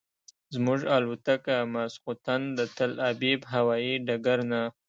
زموږ الوتکه ماسخوتن د تل ابیب هوایي ډګر نه.